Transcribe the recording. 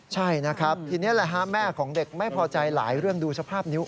ใช่นะครับทีนี้แหละฮะแม่ของเด็กไม่พอใจหลายเรื่องดูสภาพนิ้ว